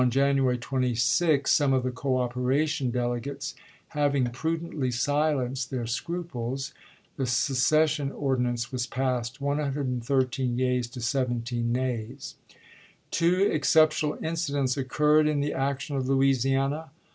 January 26, some of the " cooperation " delegates having prudently silenced their scruples, the seces sion ordinance was passed, 113 yeas to 17 nays. Two exceptional incidents occurred in the action of Louisiana.